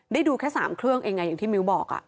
ได้ดูแค่๓เครื่องยังไงอย่างที่มิวบอกอ่ะ